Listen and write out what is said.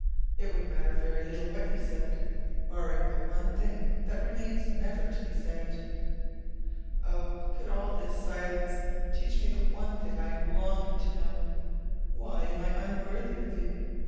It would matter very little what you said, barring the one thing that remains never to be said. Oh, could all this silence teach me the one thing I am longing to know! why am I unworthy of you?